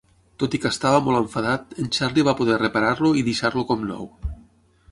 Tot i que estava molt enfadat, en Charlie va poder reparar-lo i deixar-lo com nou.